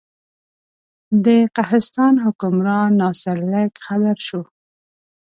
د قهستان حکمران ناصر لک خبر شو.